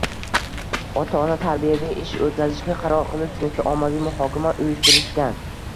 Ota-ona tarbiyaviy ish o‘tkazishga qaror qilib, sinfda ommaviy muhokama uyushtirishgan.